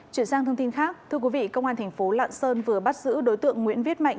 chuyển sang thông tin khác thưa quý vị công an thành phố lạng sơn vừa bắt giữ đối tượng nguyễn viết mạnh